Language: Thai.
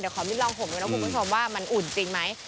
ขอมิดลองผมดูนะคุณผู้ชมว่ามันอุ่นจริงไหม